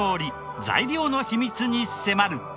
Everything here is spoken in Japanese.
材料の秘密に迫る！